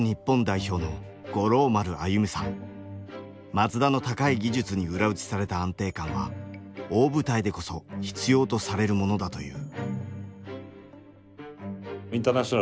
松田の高い技術に裏打ちされた安定感は大舞台でこそ必要とされるものだという。